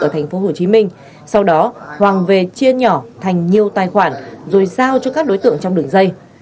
ở thành phố hồ chí minh sau đó hoàng về chia nhỏ thành nhiều tài khoản rồi giao cho các đối tượng trong đường dây